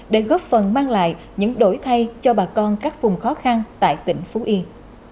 để góp phần mang lại những đổi thay cho bà con các vùng khó khăn tại tỉnh phú yên